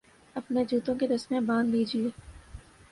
اپنے جوتوں کے تسمے باندھ لیجئے